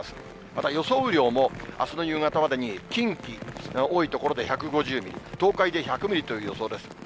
また予想雨量も、あすの夕方までに近畿、多い所で１５０ミリ、東海で１００ミリという予想です。